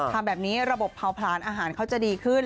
ทำแบบนี้ระบบเผาผลาญอาหารเขาจะดีขึ้น